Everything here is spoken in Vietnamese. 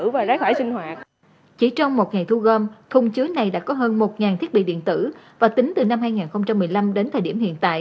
và đã từng đi khám ở bệnh viện